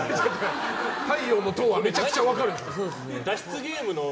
太陽の塔はめちゃくちゃ分かる。